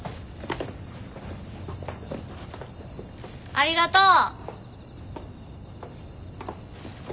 ありがとう！